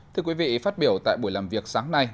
thưa quý vị phát biểu tại buổi làm việc sáng nay